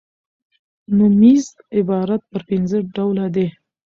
نومیز عبارت پر پنځه ډوله دئ.